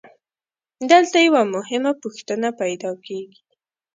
دلته یوه مهمه پوښتنه پیدا کېږي